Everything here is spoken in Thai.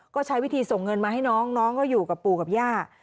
ก็ใช้วิธีส่งเงินมาให้น้องน้องก็อยู่กับปู่กับย่า